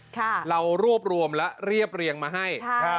เรารวบรวมและเรียบเรียงมาให้